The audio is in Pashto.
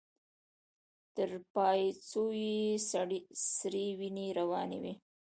تر پايڅو يې سرې وينې روانې وې.